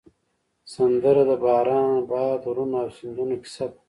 سندره د باران، باد، غرونو او سیندونو کیسه ده